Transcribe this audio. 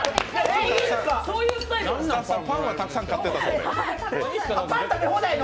パンはたくさん買ってたそうで。